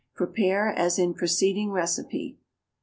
_ Prepare as in preceding recipe.